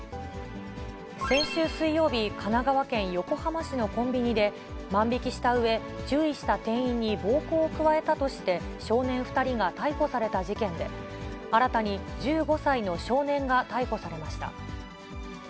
先週水曜日、神奈川県横浜市のコンビニで、万引きしたうえ、注意した店員に暴行を加えたとして、少年２人が逮捕された事件で、新たに１５歳の少年が逮捕されました。